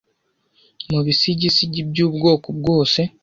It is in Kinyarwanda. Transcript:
mubisigisigi byubwoko bwose